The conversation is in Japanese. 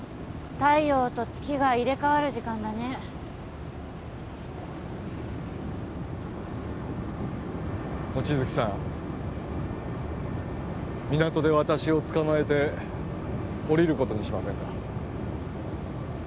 太陽と月が入れ替わる時間だね望月さん港で私を捕まえて降りることにしませんか？